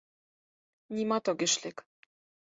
Нимат огеш лек!